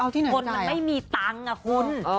คนมันไม่มีตังค์คุณ